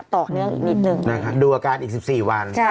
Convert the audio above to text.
ดูอาการอีก๑๔วัน